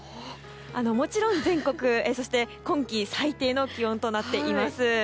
もちろん全国、今季最低の気温となっております。